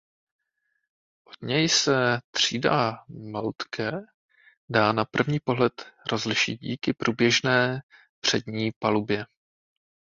Od něj se třída "Moltke" dá na první pohled rozlišit díky průběžné přední palubě.